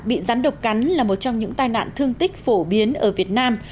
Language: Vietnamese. bị rắn độc cắn là một trong những tai nạn thương tích phổ biến ở việt nam